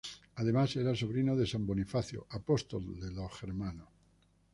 Además era sobrino de san Bonifacio, apóstol de los germanos.